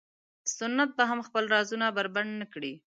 سنت به هم خپل رازونه بربنډ نه کړي.